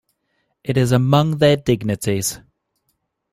It is among their dignities.